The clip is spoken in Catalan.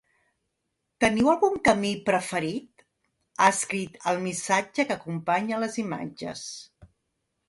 “Teniu algun camí preferit?”, ha escrit al missatge que acompanya les imatges.